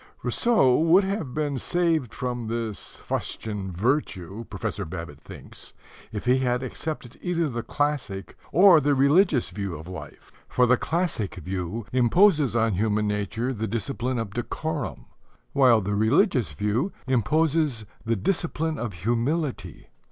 "'" Rousseau would have been saved from this fustian virtue, Professor Babbitt thinks, if he had accepted either the classic or the religious view of life: for the classic view imposes on human nature the discipline of decorum, while the religious view imposes the discipline of humility.